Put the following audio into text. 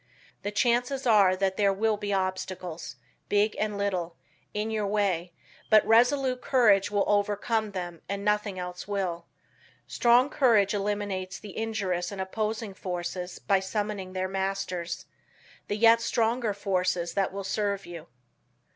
The chances are that there will be obstacles, big and little, in your way, but resolute courage will overcome them and nothing else will. Strong courage eliminates the injurious and opposing forces by summoning their masters, the yet stronger forces that will serve you.